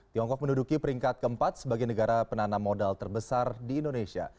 tiongkok menduduki peringkat keempat sebagai negara penanam modal terbesar di indonesia